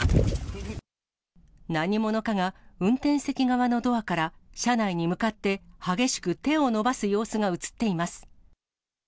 何者かが、運転席側のドアから、車内に向かって激しく手を伸ばす様子が写っています。